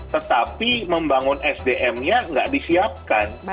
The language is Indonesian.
tetapi membangun sdm nya nggak disiapkan